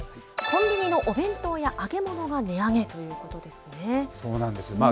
コンビニのお弁当や揚げ物が値上そうなんです。